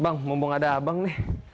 bang mumpung ada abang nih